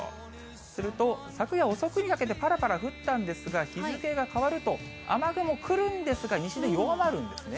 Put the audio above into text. すると、昨夜遅くにかけて、ぱらぱら降ったんですが、日付が変わると、雨雲来るんですが、西で弱まるんですね。